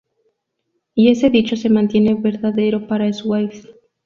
Y ese dicho se mantiene verdadero para Swift.